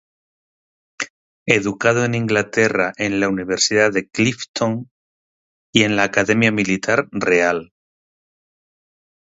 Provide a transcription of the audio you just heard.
Educado en Inglaterra en la universidad de Clifton y en la academia militar real.